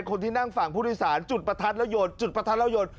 คนที่นั่งฝั่งผู้โดยสารจุดประทัดแล้วโยน